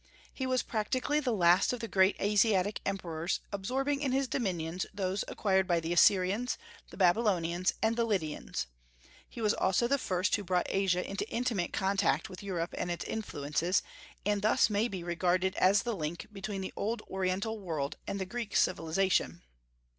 He was practically the last of the great Asiatic emperors, absorbing in his dominions those acquired by the Assyrians, the Babylonians, and the Lydians. He was also the first who brought Asia into intimate contact with Europe and its influences, and thus may be regarded as the link between the old Oriental world and the Greek civilization.